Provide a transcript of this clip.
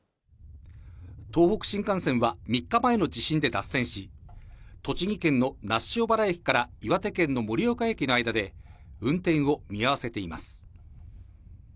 東北新幹線は３日前の地震で脱線し、栃木県の那須塩原駅から岩手県の盛岡駅の間で、運転を見合わせています。